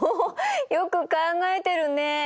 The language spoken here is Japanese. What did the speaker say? よく考えてるね。